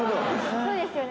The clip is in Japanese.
そうですよね。